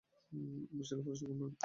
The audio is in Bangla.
অফিসিয়াল পরিসংখ্যান, ম্যাম।